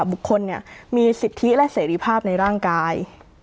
บุคคลมีสิทธิและเสรีภาพในร่างกาย